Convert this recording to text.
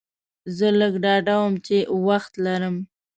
زه لږ ډاډه وم چې وخت لرم.